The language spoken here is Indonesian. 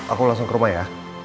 aku langsung ke rumah ya